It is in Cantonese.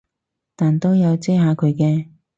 但都有遮下佢嘅